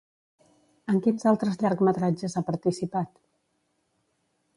En quins altres llargmetratges ha participat?